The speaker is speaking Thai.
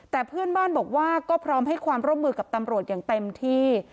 แต่เพื่อนบ้านบอกว่าก็พร้อมให้ความร่วมมือกับตำรวจอย่างเต็มที่